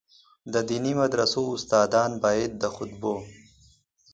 د دیني مدرسو استادان باید د خطبو.